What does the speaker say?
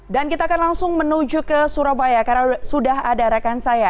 dan kita akan langsung menuju ke surabaya karena sudah ada rekan saya